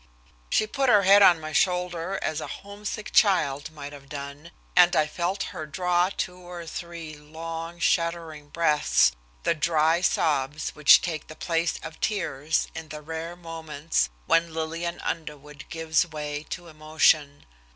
She put her head on my shoulder as a homesick child might have done, and I felt her draw two or three long, shuddering breaths, the dry sobs which take the place of tears in the rare moments when Lillian Underwood gives way to emotion.